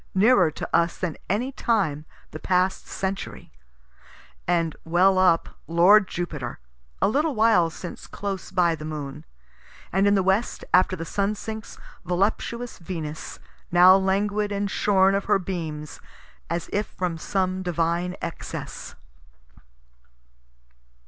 nearer to us than any time the past century) and well up, lord Jupiter, (a little while since close by the moon) and in the west, after the sun sinks, voluptuous Venus, now languid and shorn of her beams, as if from some divine excess.